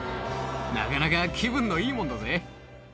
なかなか気分のいいもんだぜ。